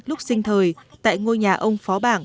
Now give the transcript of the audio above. lúc sinh thời tại ngôi nhà ông phó bảng